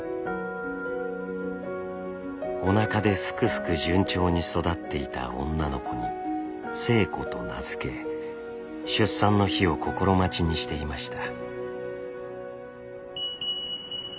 おなかですくすく順調に育っていた女の子に星子と名付け出産の日を心待ちにしていました。